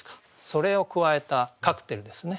それを加えたカクテルですね。